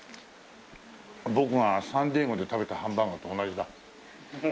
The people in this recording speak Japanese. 僕がサンディエゴで食べたハンバーガーと同じだ。